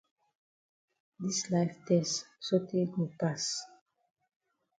Dis life tess sotay go pass.